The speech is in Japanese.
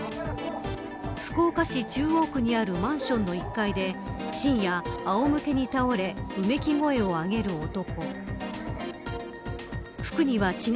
福岡市中央区にあるマンションの１階で深夜、あおむけに倒れうめき声をあげる男。